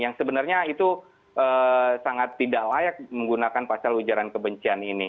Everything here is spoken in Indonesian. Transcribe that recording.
yang sebenarnya itu sangat tidak layak menggunakan pasal ujaran kebencian ini